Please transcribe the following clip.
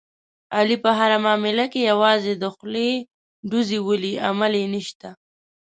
علي په هره معامله کې یوازې د خولې ډوزې ولي، عمل یې نشته.